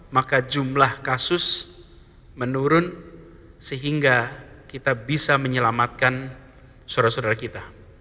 maka jumlah kasus menurun sehingga kita bisa menyelamatkan saudara saudara kita